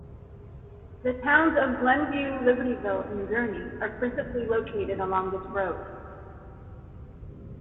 The towns of Glenview, Libertyville, and Gurnee are principally located along this road.